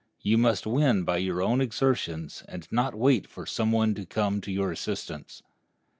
You must win by your own exertions, and not wait for some one to come to your assistance.